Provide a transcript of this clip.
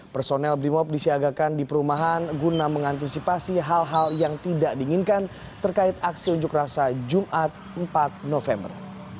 personel brimob disiagakan di perumahan guna mengantisipasi hal hal yang tidak diinginkan terkait aksi unjuk rasa jumat empat november